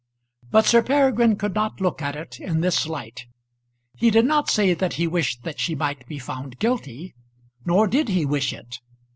But Sir Peregrine could not look at it in this light. He did not say that he wished that she might be found guilty; nor did he wish it.